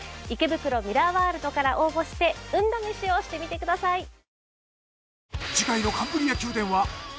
池袋ミラーワールドから応募して運試しをしてみてください。